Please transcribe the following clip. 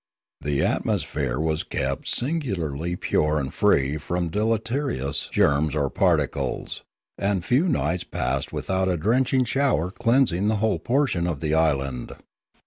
The atmosphere was kept singularly pure and free from deleterious germs or particles, and few nights passed without a drenching shower cleansing the whole lower portion of the island.